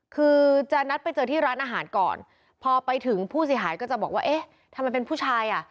คือจะนัดไปเจอที่ร้านอาหารก่อนพอไปถึงผู้เสียหายก็จะบอกว่าเอ๊ะทำไมเป็นผู้ชายอ่ะ